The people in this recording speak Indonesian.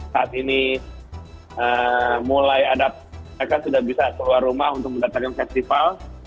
saat ini mulai ada mereka sudah bisa keluar rumah untuk mendatangkan festival